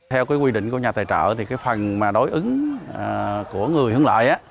theo quy định của nhà tài trợ phần đối ứng của người hướng lợi